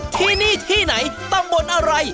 ที่นี่ที่ไหนตำบลอะไร